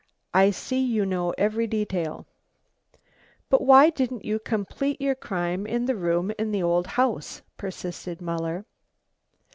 I see you know every detail." "But why didn't you complete your crime in the room in the old house?" persisted Muller.